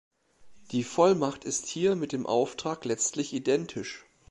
Die Vollmacht ist hier mit dem Auftrag letztlich identisch.